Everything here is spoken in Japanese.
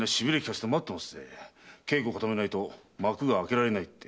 稽古を固めないと幕が開けられないって。